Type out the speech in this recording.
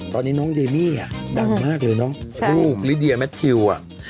ตอนนี้น้องเดมี่อ่ะดังมากเลยเนอะลูกลิเดียแมททิวอ่ะ